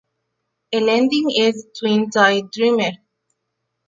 El ending es "Twin-Tail Dreamer!